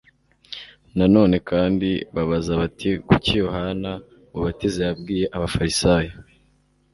Na none kandi babaza bati Kuki Yohana Umubatiza yabwiye Abafarisayo